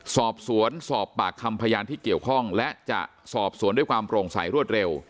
สอบสวนสอบปากคำพยานที่เกี่ยวข้องและจะสอบสวนด้วยความโปร่งใสรวดเร็ว